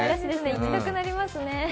行きたくなりますね。